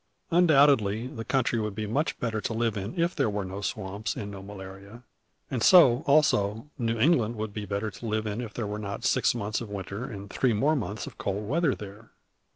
Undoubtedly the country would be much better to live in if there were no swamps and no malaria; and so, also, New England would be better to live in if there were not six months winter and three more months of cold weather there.